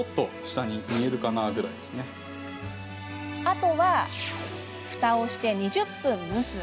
あとは、ふたをして２０分蒸す。